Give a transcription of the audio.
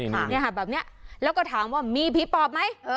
มานี่ค่ะแบบเนี่ยแล้วก็ถามว่ามีผีป่อบมไง